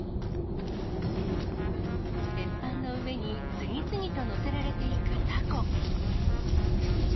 鉄板の上に次々と載せられていくタコ。